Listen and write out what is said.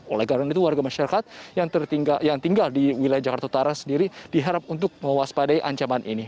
oleh karena itu warga masyarakat yang tinggal di wilayah jakarta utara sendiri diharap untuk mewaspadai ancaman ini